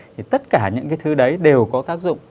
thì tất cả những cái thứ đấy đều có tác dụng